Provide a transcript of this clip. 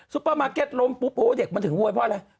เปอร์มาร์เก็ตล้มปุ๊บโอ้เด็กมันถึงโวยเพราะอะไร